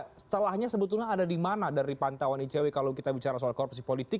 nah celahnya sebetulnya ada di mana dari pantauan icw kalau kita bicara soal korupsi politik